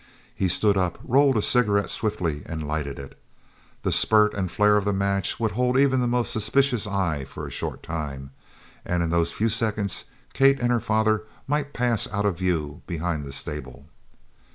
He stood up, rolled a cigarette swiftly, and lighted it. The spurt and flare of the match would hold even the most suspicious eye for a short time, and in those few seconds Kate and her father might pass out of view behind the stable.